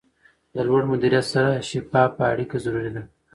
د لوړ مدیریت سره شفافه اړیکه ضروري ده.